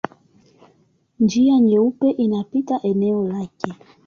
Njia Nyeupe inapita eneo lake.